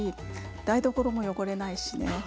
台所も汚れないしね。